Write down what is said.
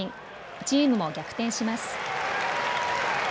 チームも逆転します。